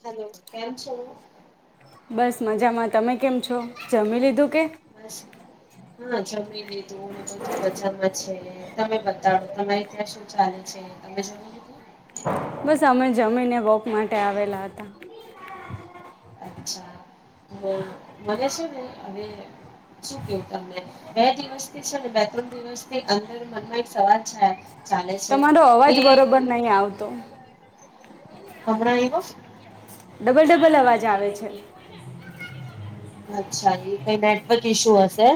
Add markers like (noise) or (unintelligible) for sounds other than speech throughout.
Hello કેમ છો બસ મજામાં તમે કેમ છો જમી લીધું કે બ છે હા જમી લીધુંને બધું મજનમાં છે તમે બતાવો તમારે ત્યાં શું ચાલે છે તમે જમી લીધુંને બસ અમે જમીને વોક માટે આવેલા હતા અચછા તો મને છે ને હવે શું કેવું તમને બે દિવસ થી છે ને બે ત્રણ દિવસથી અંદર મનમાં એક સવાલ છે ચાલે તમારો કે અવાજ બરોબર નહ આવતો હમરા એવ ડબલ ડબલ અવાજ આવે છે અચ્છા એ કઈ નેટવર્ક ઈશુ હશે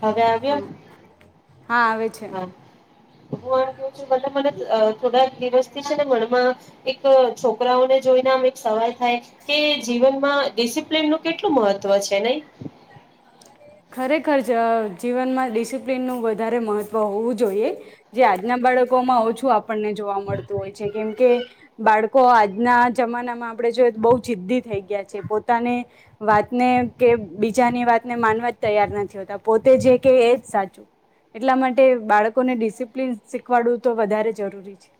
હવે આવ્યો? હમ હા આવે છે હા હું આમ કવું છું મત મને થોડાક દિવસથી છે ને મનમાં એક છોકરાઓને જોઈને આમ એક સવાલ થાય કે જીવનમાં ડિસિપ્લન ન કેટલું મહત્વ છે નઈ ખરેખર જ જીવનમાં ડિસિપ્લિનનું વધારે મહત્વ હોવું જોઈએ જે આજના બાળકોમાં ઓછું આપણને જોવા મળતું હોય છે કેમ કે બાળકો આજના જમાનામાં આપણે જોય તો બો જિદ્દી થઈ ગયા છે પોતાની વાતને કે બીજાની વાતને માનવા તૈયાર નથી હોતા પોતે જે કે એ જ સાચું એટલા માટે બાળકોને ડિસિપ્લિન શીખવાડવું તો વધારે જરૂરી છે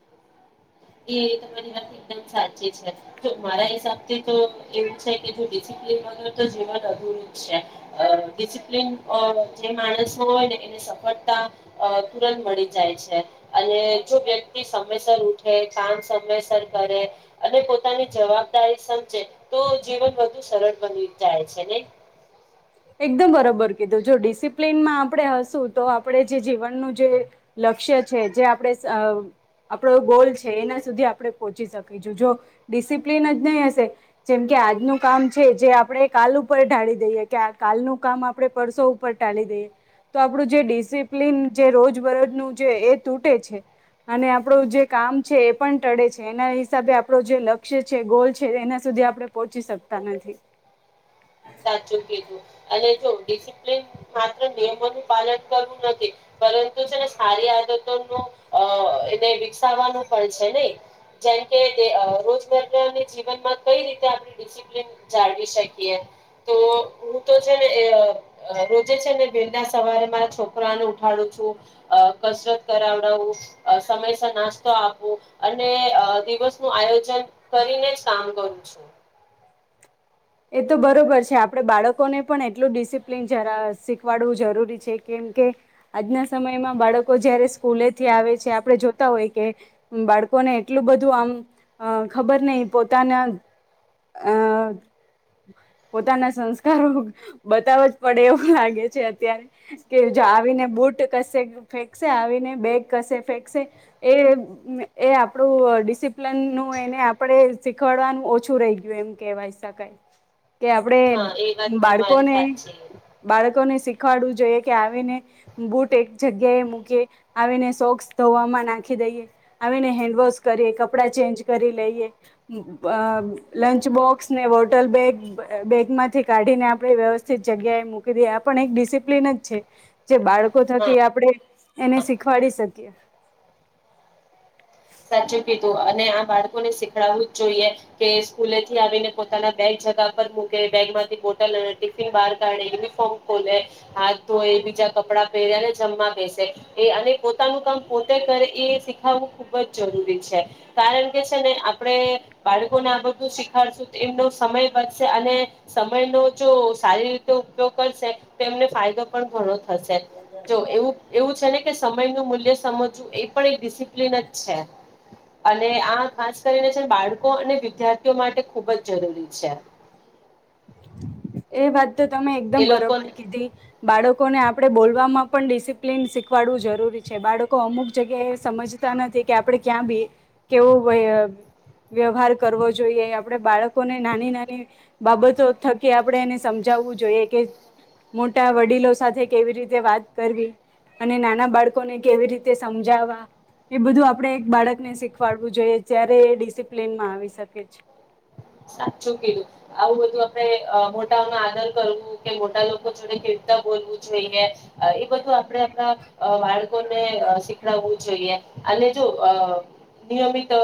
એ તમારી વાત એકદમ સાચી છે તો મારા હિસાબથી તો એવું છે કે (unintelligible) તો જીવન અધુરું છે ડિસપ્લન જે માણસ મા હોય ને એને સફળતા તુરંત મળી જાય છે અને જો વ્યક્તિ સમયસર ઉઠે કામ સમયસર કરે અને પોતાની જવાબદારી સમજે તો જીવન વધુ સરળ બની જાય છે નય એકદમ બરોબર કીધું જો ડિસિપ્લિનમાં આપણે હશું તો આપણે જે જીવનનું જે લક્ષ્ય છે જે આપણે આપણો ગોલ છે એના સુધી આપણે પહોંચી શકીશું જો ડિસિપ્લિન જ નહી હશે જેમ કે આજનું કામ છે જે આપણે કાલ ઉપર ઢાળી દઈએ કે કાલનું કામ આપણે પરસો ઉપર ટાળી દઈએ તો આપણું જે ડિસિપ્લન જે રોજબરોજનું જે એ તૂટે છે અને આપણું જે કામ છે એ પણ ટળે છે એના હિસાબે આપણું જે લક્ષ્ય છે ગોલ છે એના સુધી આપણે પહોંચી શકતા નથી સાચુ કિધુ અને જો ડિસપ્લન માત્ર નિયમોનું પાલન કરવું નથી પરંતુ છેને સારી આદતો નો એને વિકસાવવાનું પણ છે નહી જેમકે રોજરા જીવનમાં કઈ રીતે આપણેિસપ્ન જાળવી શકીએ તો હું તો છે ને (unintelligible) સવારે મારા છોકરાને ઉઠાડું છું કસરત કરાવડાવું સમયસ નાસ્તો આપું અને દિવસ નું આયોજન કરીને જ કામ કરું છું એ તો બરોબર છે આપણે બાળકોને પણ એટલું ડિસિપ્લિન જરા શીખવાડવું જરૂરી છે કેમ કે આજના સમયમાં બાળકો જયારે સ્કૂલેથી આવે છે આપણે જોતા હોય કે બાળકોને એટલું બધું આમ ખબર નહિ પોતાના અ પોતાના સંસ્કારો બતાવ જ પડે એવું લાગે છે અત્યારે કે હા આવીને બૂટ કશે ફેંકશે આવીને બેગ કશે ફેંકશે એ એ આપણું ડિસિપ્લન નું એને આપણે શીખવાડવાનું ઓછું રહી ગયું એમ કહેવાય શકાય કે આપડે હા એ વાત તમારી બાળકોને સાચી બાળકોને શી સીખાડવુ જોઈએ કે આવીને બૂટ એક જગ્યાએ મૂકી આવીને સોક્સ ધોવામાં નાખી દઈએ આવીને હેન્ડવોશ કરીએ કપડા ચેન્જ કરી લઈએ લંચ બોક્સને ટલ બેગ બેગ માંથી કાઢીને આપણે વ્યવસ્થિત જગ્યાએ મૂકી દઈએ પણ એક ડિસિપ્લિન જ છે જે બાળકો હા થકી આપણેે એને શીખવાડી શકીએ સાચું કીધું અને આ બાળકોને શીખડવું જ જોઈએ કે સ્કૂલે થી આવીને પોતાના બેગ જગા પર મૂકે બેગમાંથી બોટલ ટિફિન બહાર કાઢને યુનિફોર્મ ખોલે હાથ ધોય બીજા કપડાં પહેરેને જમવા બેસે એ અને પોતાનું કામ પોતે કરે એ શીખાવવું ખુબ જ જરૂરી છે કારણ કે છે ને આપણે બાળકો ને આ બધું શી સીખાડસુ એમનો સમય વધશે અને સમયનો જો સારી રીતે ઉપયોગ કરશે તો એમને ફાયદો પણ ઘણો થસે જો એવું એવું છે ને કે સમય નું મૂલ્ય સમજવું એ પણ એક ડિસિપ્લિન છે અને આ ખાસ કરીને છે બાળકો અને વિદ્યાર્થીઓ માટે ખુબ જ જરૂરી છે એ વાત તમે એ એકદમ લોકોને બરોબર કીધી બાળકોને આપણે બોલવામાં ડિસિપિલીન ડિસીપિલિ્ન સિવડાવ્યું જરૂરી છે બાળકો અમુક જગ્યા સમજતા નથી કે આપણે ક્યાં કેવો વ્યવહાર કરવો જોઈએ આપણે બાળકોને નાની નાની બાબત તો થકી આપણે એને સમજાવવું જોઈએ કે મોટા વડીલો સાથે કેવી રીતે વાત કરવી અને નાના બાળકોને કેવી રીતે સમજાવવા એ બધું આપણે એક બાળકને શીખવાડવું જોઈએ જ્યારે એ ડિસિપ્લનમાં આવી શકે છે સાચું કીધું આવું બધું આપણે અ મોટાઓ નુ આદર કરવું કે મોટા લોકો જોડે ખેડતા બોલવું જોઈએ એ બધું આપડે આપણા બાળકોને શીખડાવવું જોઈએ અને જો અ નિયમિત અ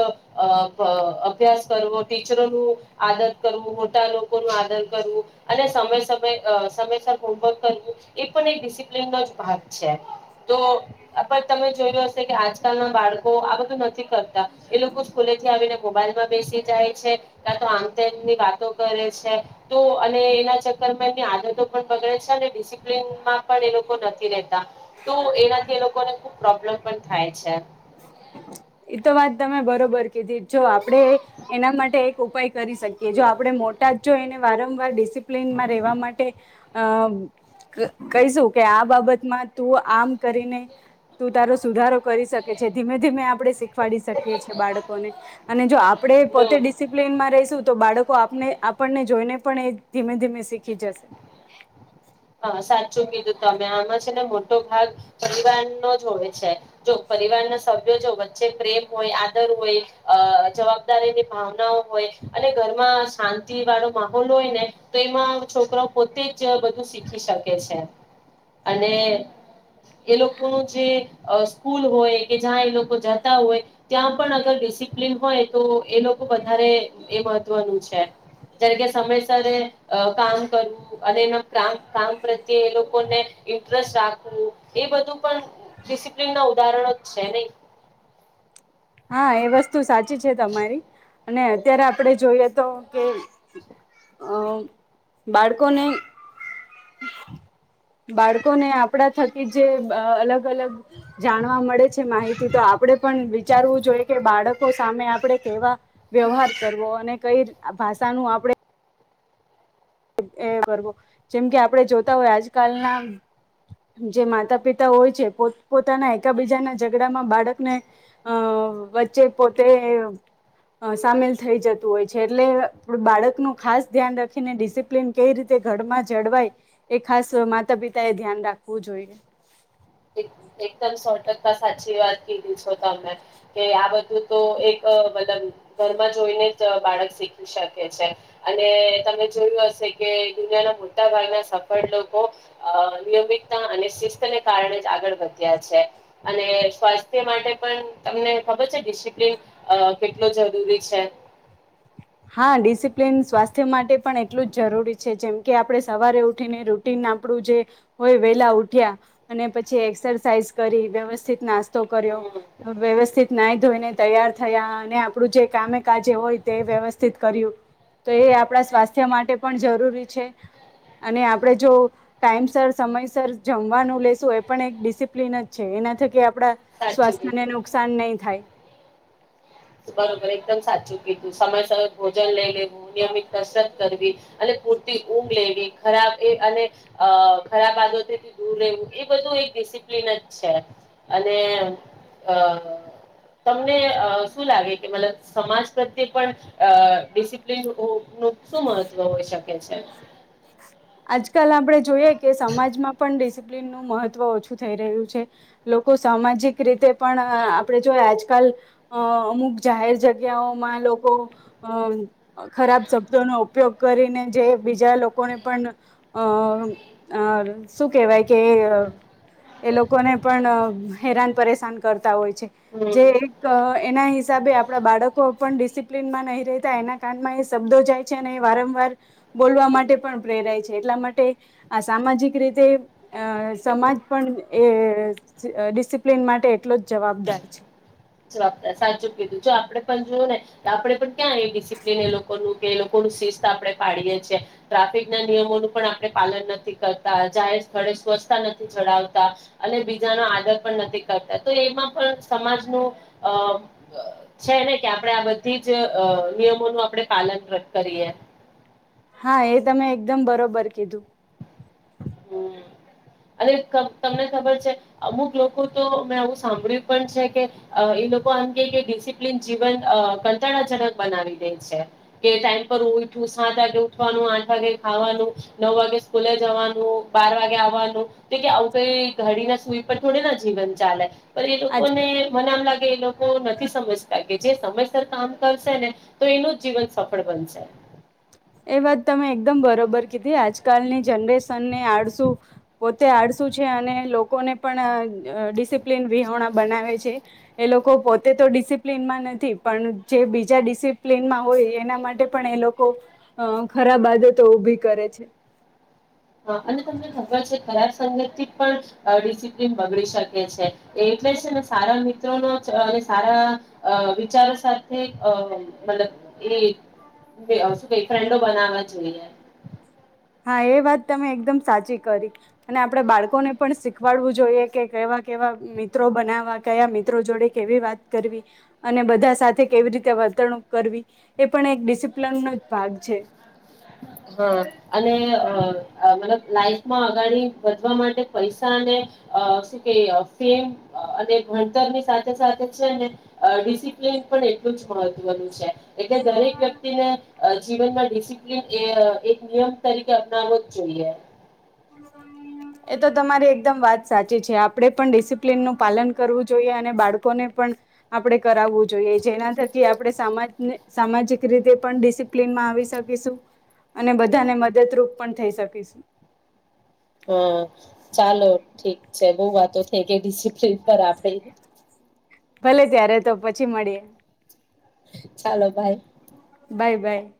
અભ્યાસ કરવો ટીચરોનું આદર કરવું મોટા લોકો નુ આદર કરવું અને સમય સમય સમયસર હોમવર્ક કરવું એ પણ એક ડિસિપ્લન નો જ ભાગ છે તો તમે જોયું હશે કે આજકાલ ના બાળકો આ બધું નથી કરતા તા એ લોકો સ્કૂલે થી આવીને મોબાઈલમાં બેસી જાય છે કા તો આમતેની વાતો કરે છે તો અને એના ચક્કરમાં એમની આદતો પણ બગડે છે અને ડિસિપ્લનમાં પણ એ લોકો નથી રહે તો એનાથી એ લોકોને ખુબ પ્રોબ્લેમ પણ થાય છે એતો વાત તમે બરોબર કીધી જો આપણેે એના માટે એક ઉપાય કરી શકીએ જો આપડણે મોટા જ જો એને વારંવાર ડિસિપ્લિનમાં રહેેવા માટે અ કહીશું કે આ બાબતમાં તું આમ કરીને તું તારો સુધારો કરી શક જે ધીમે ધીમે આપણે શીખ સીખવાડી શકીએ છીએ બાળકોને અને જો આપણે પોતે હમ ડિસિપ્લીનમાં રહીશું તો બાળકો આપને આપણને જોઈને પણ એ ધીમે ધીમે શીખી જશે. હા, સાચું કીધું તમે આમાં છે ને મોટો ભાગ પરિવાર નો જ હોય છે. જો પરિવાર ના સ જોજો વચ્ચે પ્રેમ હોય, આદર હોય, અ જવાબદારીની ભાવનાઓ હોય, અને ઘરમાં શાંતિ વાળો માહોલ હોય ને તો એમાં છોકરા પોતે જ બધું શીખ શિખી શકે છે, અને એ લોકોનું જે અ સ્કૂલ હોય કે જ્યાં એ લોકો જતા હોય ત્યાં પણ અગર ડિસિપ્લન હા! એ તો એ લોકો બધારે એ બધ બધુ છે. જાણે કે સમયસરે અ કામ કરવું અને એના કામ કામ પ્રત્યે એ લોકોને ઇન્ટરેસ્ટ રાખવું એ બધું પણ ડિસિપ્લન ના ઉદાહરણો જ છે ની. હા, એ વસ્તુ સાચી સાચી છે તમારી અને અત્યારે આપણે જોઈએ તો કે, અ બાળકોને બાળકોને આપણા થકી જે બ અલગ-અલગ જાણવા મળે છે માહિતી તો આપણે પણ વિચારવું જોઈએ કે, બાળકો સામે આપડણે કેવા વ્યવહાર કરવો? અને કઈ ભાષાનું આપણે એ કરવો. જેમ કે, આપણે જોતા હોય આજકાલના જે માતા પિતા હોય છે પોત-પોતાના એકબીજાના ઝઘડામાં બાળકને અ વચ્ચે પોતે અ સામેલ થઈ જતું હોય છે એટલે બાળકનું ખાસ ધ્યાન રાખીને ડિસપ્ પીલીન કઈ રીતે ઘરમાં જળવાય એ ખાસ માતા-પિતા એ ધ્યાન રાખવું જોઈએ. એક એકદમ સો ટકા સાચી વાત કીધી છો તમે કે, આ બધું તો એક મતલબ ઘરમાં જોઈને જ બાળક શીખી શકે છે. અને તમે જોયું હશે કે દુનિયાના મોટા ભાગના સફળ લોકો નિયમિતતા અને શિષ્ટને કારણે જ આગળ વધ્યા છે. અને સ્વાસ્થ્ય માટે પણ તમને ખબર છે ડિસિપ્લન કેટલો જરૂરી છે? હા! ડિસિપ્લિન સ્વાસ્થ્ય માટે પણ એટલું જ જરૂરી છે. જેમ કે આપણે સવારે ઉઠીને રૂટીન આપણું જે હોય વેલા ઉઠ્યા અને પછી એક્સરસાાઈઝ કરી વ્યવસ્થિત નાસ નાસ્તો કર્યો. હમ વ્યવસ્થિત ના ધોઈને તૈયાર થયા અને આપણું જે કામે કાજે હોય તે વ્યવસ્થા સ્થિત કર્યું. તો એ આપણા સ્વાસ્થ્ય માટે પણ જરૂરી છે અને આપણે જો ટાઈમસર સમયસર જમવાનું લેશું એ પણ એક ડિસિપ્લિન જ છેએના થકી આ આપડા સાચું સ્વાસ્થ્યને કીધું નુકસાન નઈ થાય. બરોબર એકદમ સાચું કીધું. સમયસર ભોજન લઈ લેવું, નિયમિત કસરત કરવી અને પૂરતી ઊંઘ લેવી ખરાબ એ અને અ ખરાબ આદોથી દૂર રહેવું હેવું એ બધું એક ડિસિપ્લિન જ છે. અને અ તમને અ શું લાગે કે મતલબ સમાજ પ્રત્યે પણ ડિસિપ્લિન હો નુ શું મહત્વ હોઈ શકે છે? જ (unintelligible) આજકાલ આપણે જોઈએ કે, સમાજમાં પણ ડિસિપ્લિનનું મહત્ત્વ ઓછું થઈ રહ્યું છે. લોકો સામાજિક રીત પણ આપણે જોએ આજકાલ અમુક જાહેર જગ્યાઓમાં લોકો અ ખરાબ શબ્દોનો ઉપયોગ કરીને જે બીજા લોકો લોકોને પણ અ અ શું કહેવાય કે એ લોકોને પણ હેરાન પરેશાન કરતા હોય છે. જે હમ એક એના હિસાબે આપણા બાળકો પણ ડિસિપ્લિનમાં નહીં રહેતા. એના કાનમાં એ શબ્દો જાય છે અને એ વારંવાર બોલવા માટે પણ પ્રેરાય છે. એટલા માટે આ સામાજિક રીતે અ સમાજ પણ એ ડિસિપ્લિન માટે એટલો જ જવાબદાર છે. જવાબદાર. સાચું કીધું જો આપડે પણ જોયું ને આપડે પણ ક્યાં એ ડિસિપ્લિન એ લોકોનું કે લો શિસ્ત આપણે પાડીએ છે. ટ્રાફિક ના નિયમોનું પણ આપણે પાલન નથી કરતા. જાહેર સ્થળે સ્વચ્છતા નથી ચડાવતા અને બીજાનો આદર પણ નથી કરતા તો એમાં પણ સમાજનું અ છે ને કે આપણે આ બધી જ નિયમોનું આપણે પાલન કરીએ હા એ તમે એકદમ બરોબર કીધું હમ અનેરે તમને ખબર છે અમુક લોકો તો મેં આવું સાંભળ્યું પણ છે કે એ લોકો આમ કે ડિસિપ્લિન જીવન કંટાળાજનક બનાવી દે છે કે ટાઈમ પરઠું સાત વાગે ઉઠવાનું આઠ વાગે ખાવાનું નવ વાગે સ્કૂલે જવાનું બાર વાગે આવવાનું તો કે આવું કઈ ઘડી ના સુઈ પર થોડે ના જીવન ચાલે એ આજ લોકો ને મમ લાગે એ લોકો નથી સમજતા કે જે સમયસર કામ કરશે ને તો એનું જ જીવન સફળ બનશે એ વાત તમે એકદમ બરોબર કીધી આજકાલની જનરેશનને આડસુ પોતે આડસું છે અને લોકોને પણ ડિસિપ્લિન વિહોણા બનાવે છે એ લોકો પોતે તો ડિસિપ્લિનમાં નથી પણ જે બીજા ડિસિપ્લિનમાં હોય એના માટે પણ એ લોકો હ ખરાબ આદતો ઉઊભી કરે છે હા અને તમને ખબર છે કચ સંગત પણ ડિસિપ્લન બગડી શકે છે એટલે છે મે સારા મિત્રોનો અને સારા વિચારો સાથે મતલબ એ શું ક ફ્રેન્ડો બનાવે જએ હા એ વાત તમે એકદમ સાચી કરી અને આપણેે બાળકોને પણ શીખવાડવું જોઈએ કે કેવા કેવા મિત્રો બનાવવા કયા મિત્રો જોડે કેવી વાત કરવી અને બધા સાથે કેવી રીતે વર્તણુંક કરવી એ પણ એક ડિસિપ્લનનો જ ભાગ છે હા અને મતલબ લાઈફમાં અગાળ વધવા માટે પૈસા અને શું કે ફેમ અને ભણતર ની સાથે સાથે છે ને ડિસિપ્લીન પણ એટલું જ મહત્વનું છે એટલે દરેક વ્યક્તિને જીવનમાં ડિસિપ્લિન એ એક નિયમ તરીકે અપનાવો જ જોઈએ એતો તમારી એકદમ વાત સાચી છે આપે પણ ડિસિપ્લિનનુંું પાલન કરવું જોઈએ અને બાળકોને પણ આપણેે કરાવવું જોઈએ જેના થકી આપણે સામા સામાજિક રીતે પણ ડિસિપ્લિનમાં આવી શકીશું અને બધાને મદદરૂપ પણ થઈ શકીશું હા ચાલો ઠીક છે બહ વાતો થઈ કે ડિસિપ્લીન બ આપે ભલે જ્યારે તો પછી મળીએ ચાલો ભાઈ બાય બાય